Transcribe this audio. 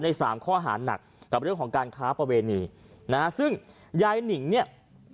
สามข้อหาหนักกับเรื่องของการค้าประเวณีนะฮะซึ่งยายหนิ่งเนี่ย